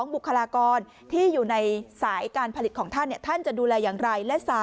บุคลากรที่อยู่ในสายการผลิตของท่านท่านจะดูแลอย่างไร